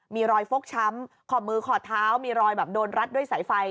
มีรอยฟกช้ำขอมือขอเท้ามีรอยแบบโดนรัดด้วยสายไฟ